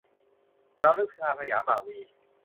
แต่เรานึกถึง "อาร์.สยาม" บ่าววี